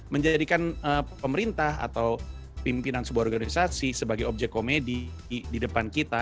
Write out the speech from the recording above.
menjadikan pemerintah atau pimpinan sebuah organisasi sebagai objek komedi di depan kita